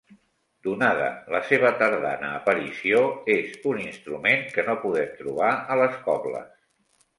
Donada la seva tardana aparició és un instrument que no podem trobar a les cobles.